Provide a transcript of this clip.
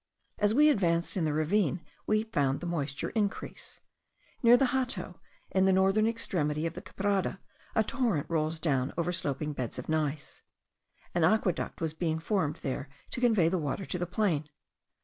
As we advanced in the ravine we found the moisture increase. Near the Hato, at the northern extremity of the Quebrada, a torrent rolls down over sloping beds of gneiss. An aqueduct was being formed there to convey the water to the plain.